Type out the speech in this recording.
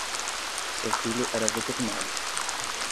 Seu filho era veterinário